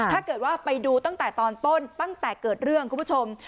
ถ้าเกิดว่าไปดูตั้งแต่ตอนต้นตั้งแต่เกิดเรื่องคุณผู้ชม